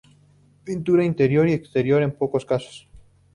Pinturas interior y exterior en pocos casos.